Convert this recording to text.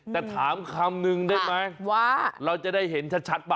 แต่ถามคำนึงได้ไหมว่าเราจะได้เห็นชัดป่